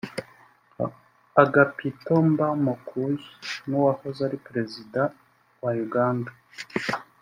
Agapito Mba Mokuy n’uwahoze ari Visi Perezida wa Uganda